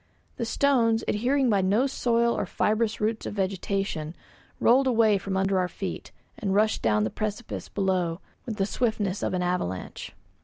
The stones, adhering by no soil or fibrous roots of vegetation, rolled away from under our feet, and rushed down the precipice below with the swiftness of an avalanche.